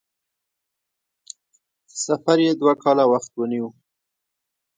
سفر یې دوه کاله وخت ونیو.